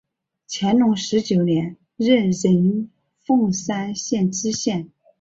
乾隆十九年署任凤山县知县。